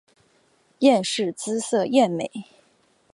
阎氏姿色艳美。